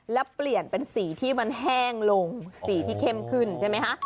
และเปลี่ยนเป็นสีที่มันแห้งลงสีที่เข้มขึ้นใช่ไหมคะ